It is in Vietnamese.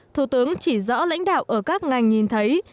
thủ tướng chỉ rõ lãnh đạo ở các ngành nhìn thấy